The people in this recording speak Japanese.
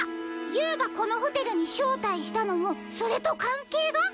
Ｕがこのホテルにしょうたいしたのもそれとかんけいが？